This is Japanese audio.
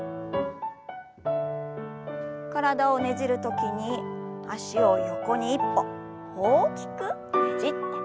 体をねじる時に脚を横に１歩大きくねじって戻します。